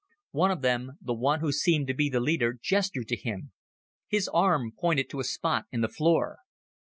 One of them, the one who seemed to be the leader, gestured to him. His arm pointed to a spot in the floor.